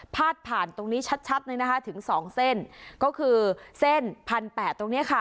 ผ่านตรงนี้ชัดชัดเลยนะคะถึงสองเส้นก็คือเส้นพันแปดตรงเนี้ยค่ะ